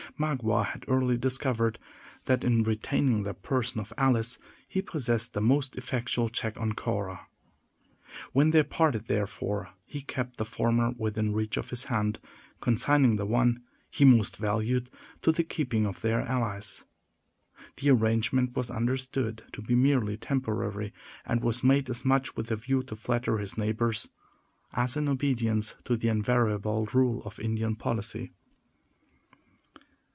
Magua had early discovered that in retaining the person of Alice, he possessed the most effectual check on Cora. When they parted, therefore, he kept the former within reach of his hand, consigning the one he most valued to the keeping of their allies. The arrangement was understood to be merely temporary, and was made as much with a view to flatter his neighbors as in obedience to the invariable rule of Indian policy.